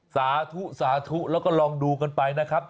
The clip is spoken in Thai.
สาธุสาธุแล้วก็ลองดูกันไปนะครับ